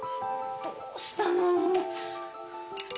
どうしたの？